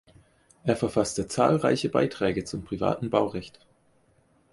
Er verfasste zahlreiche Beiträge zum privaten Baurecht.